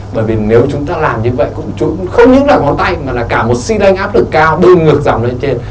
bởi vì nếu chúng ta làm như vậy cũng không những là ngón tay mà là cả một xi lanh áp lực cao đưa ngược dẳng lên trên